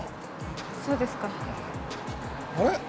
そうですかあれ？